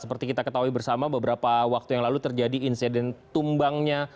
seperti kita ketahui bersama beberapa waktu yang lalu terjadi insiden tumbangnya